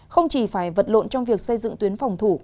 không chỉ phải vật lộn trong việc xây dựng tuyến phòng thủ